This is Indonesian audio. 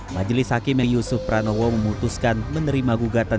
majelis hakim yusuf pranowo memutuskan menerima gugatan